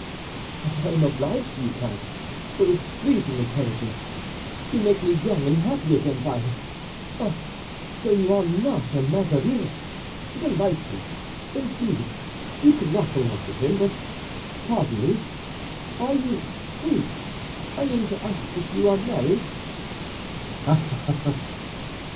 "I am obliged to you, count, for this pleasing intelligence! You make me young and happy again by it. Ah! so you are not a Mazarinist? Delightful! Indeed, you could not belong to him. But pardon me, are you free? I mean to ask if you are married?"